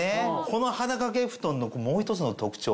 この肌掛けふとんのもう一つの特徴。